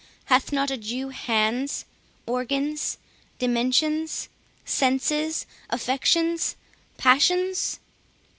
Hath not a Jew hands, organs, dimensions, senses, affections, passions?